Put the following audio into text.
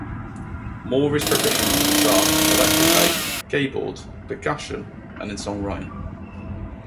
Moore is proficient on guitar, electric bass, keyboards, percussion, and in songwriting.